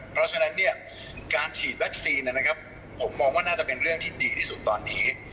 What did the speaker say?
เพราะฉะนั้นการฉีดวัคซีนนะครับผมมองว่าน่าจะเป็นเรื่องที่ดีที่สุดตอนนี้